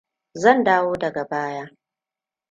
Zan dawo daga baya.